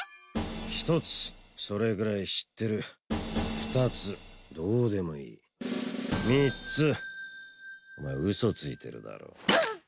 一つそれぐらい知ってる二つどうでもいい三つお前嘘ついてるだろうっ